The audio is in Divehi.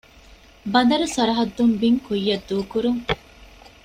ބަނދަރު ސަރަޙައްދުން ބިން ކުއްޔަށް ދޫކުރުން